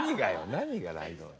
何が「ライドオン」。